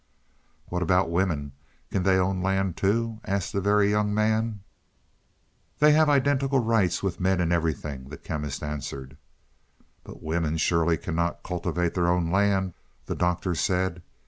"What about women? Can they own land too?" asked the Very Young Man. "They have identical rights with men in everything," the Chemist answered. "But women surely cannot cultivate their own land?" the Doctor said.